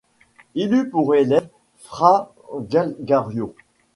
Il eut pour élève Fra Galgario.